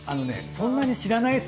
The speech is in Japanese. そんなに知らないんだ？